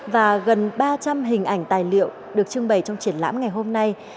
và gần ba trăm linh hình ảnh tài liệu được trưng bày trong triển lãm ngày hôm nay